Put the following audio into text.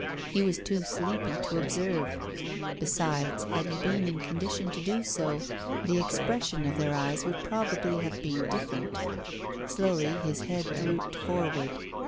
He was too sleepy to observe. Besides, had he been in condition to do so, the expression of their eyes would probably have been different. Slowly his head drooped forward.